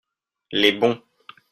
les bons.